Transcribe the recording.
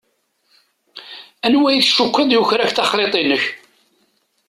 Anwa i tcukkeḍ yuker-ak taxṛiṭ-inek.